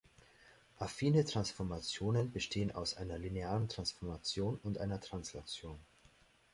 Affine Transformationen bestehen aus einer linearen Transformation und einer Translation.